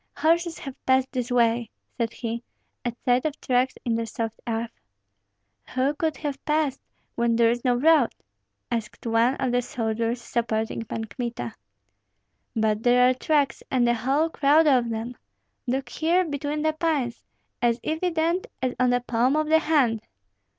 "Horses have passed this way," said he, at sight of tracks in the soft earth. "Who could have passed, when there is no road?" asked one of the soldiers supporting Pan Kmita. "But there are tracks, and a whole crowd of them! Look here between the pines, as evident as on the palm of the hand!"